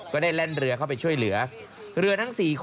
ก็ได้แล่นเรือเข้าไปช่วยเรือ